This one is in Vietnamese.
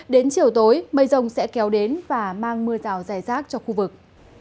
đến chiều tối mây rồng sẽ kéo đến và mang mưa rào rải rác cho khu vực